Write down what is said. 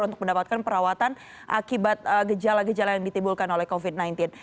untuk mendapatkan perawatan akibat gejala gejala yang ditimbulkan oleh covid sembilan belas